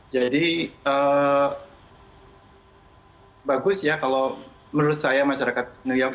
jadi bagus ya kalau menurut saya masyarakat new york itu